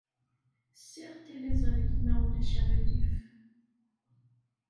Ssiɣ tiliẓri, ma ulac aɣilif.